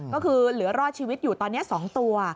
ก็คือเหลือรอดชีวิตอยู่ตอนนี้๒ตัว